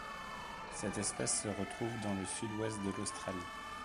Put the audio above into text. Cette espèce se retrouve dans le Sud Ouest de l'Australie.